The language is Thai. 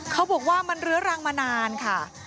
เขาบอกว่ามันเรื้อรังมานานค่ะ